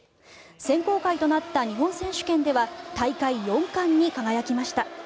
選考会となった日本選手権では大会４冠に輝きました。